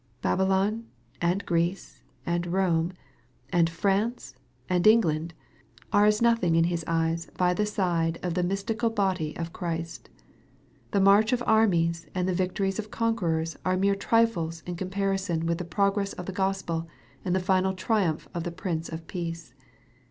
Babylon, and Greece, and Home, and France, and England, are as nothing in His eyes by the side of the mystical body of Christ. The march of ar mies and the victories of conquerors are mere trifles in comparison with the progress of the Gospel, and the final triumph of the Prince of Peace.